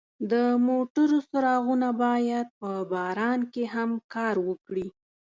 د موټرو څراغونه باید په باران کې هم کار وکړي.